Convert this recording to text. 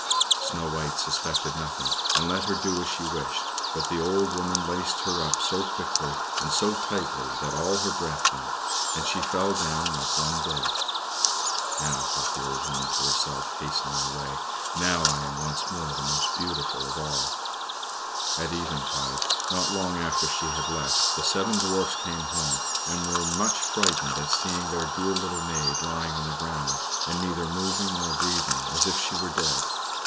Snow White suspected nothing, and let her do as she wished, but the old woman laced her up so quickly and so tightly that all her breath went, and she fell down like one dead. "Now," thought the old woman to herself, hastening away, "now am I once more the most beautiful of all!" At eventide, not long after she had left, the seven Dwarfs came home, and were much frightened at seeing their dear little maid lying on the ground, and neither moving nor breathing, as if she were dead.